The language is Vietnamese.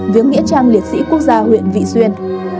viếng nghĩa trang liệt sĩ quốc gia huyện vị xuyên